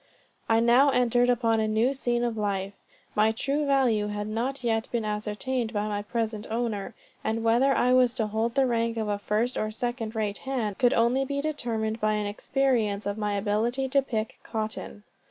I now entered upon a new scene of life. My true value had not yet been ascertained by my present owner; and whether I was to hold the rank of a first or second rate hand, could only be determined by an experience of my ability to pick cotton.